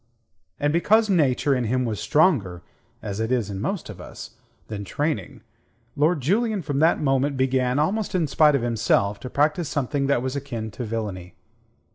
And because Nature in him was stronger as it is in most of us than training, Lord Julian from that moment began, almost in spite of himself, to practise something that was akin to villainy.